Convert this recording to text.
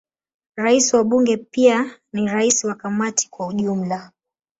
Rais wa Bunge pia ni rais wa Kamati kwa ujumla.